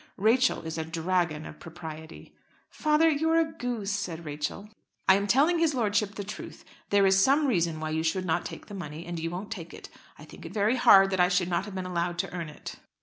Rachel is a dragon of propriety." "Father, you are a goose," said Rachel. "I am telling his lordship the truth. There is some reason why you should not take the money, and you won't take it. I think it very hard that I should not have been allowed to earn it."